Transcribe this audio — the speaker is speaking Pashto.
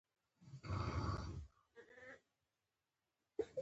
د ټول نفوس یو پر درېیمه برخه یې جوړوله.